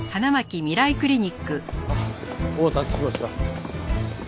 あっお待たせしました。